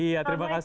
iya terima kasih